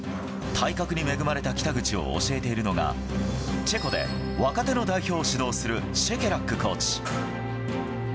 体格に恵まれた北口を教えているのが、チェコで若手の代表を指導するシェケラックコーチ。